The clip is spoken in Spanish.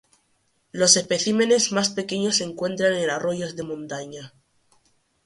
Los especímenes más pequeños se encuentran en arroyos de montaña.